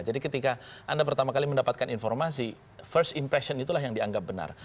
jadi ketika anda pertama kali mendapatkan informasi first impression itulah yang dianggap benar